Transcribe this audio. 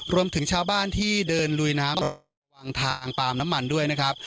รวมถึงชาวบ้านที่เดินลุยน้ำวางทางปาล์มน้ำมันด้วยนะครับ